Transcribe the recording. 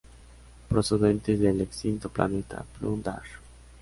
Procedentes del extinto planeta "Plun-Darr".